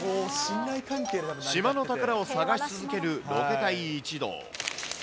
島の宝を探し続けるロケ隊一同。